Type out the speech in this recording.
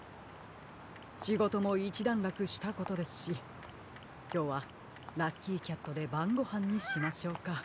しごともいちだんらくしたことですしきょうはラッキーキャットでばんごはんにしましょうか。